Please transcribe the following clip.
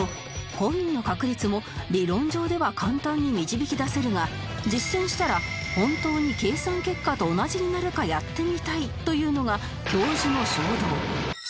コインの確率も理論上では簡単に導き出せるが実践したら本当に計算結果と同じになるかやってみたいというのが教授の衝動